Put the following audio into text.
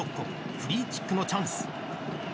フリーキックのチャンス。